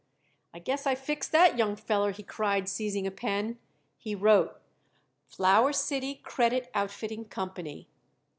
"I guess I fix that young feller," he cried, seizing a pen. He wrote: FLOWER CITY CREDIT OUTFITTING COMPANY.